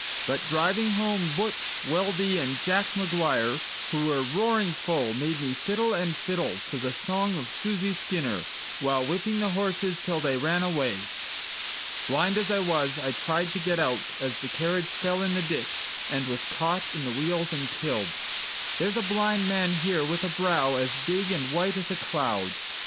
But driving home "Butch" Weldy and Jack McGuire, Who were roaring full, made me fiddle and fiddle To the song of Susie Skinner, while whipping the horses Till they ran away. Blind as I was, I tried to get out As the carriage fell in the ditch, And was caught in the wheels and killed. There's a blind man here with a brow As big and white as a cloud.